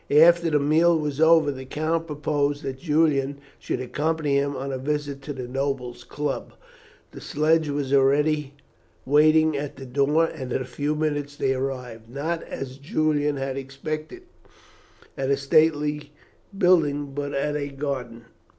After the meal was over the count proposed that Julian should accompany him on a visit to the Nobles' Club. The sledge was already waiting at the door, and in a few minutes they arrived, not, as Julian had expected, at a stately building, but at a garden.